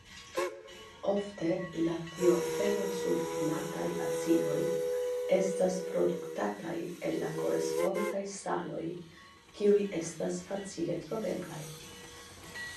Ofte la tiofenosulfinataj acidoj estas produktataj el la korespondaj saloj kiuj estas facile troveblaj.